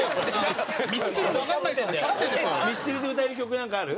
ミスチルで歌える曲なんかある？